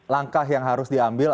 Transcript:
langkah yang harus diambil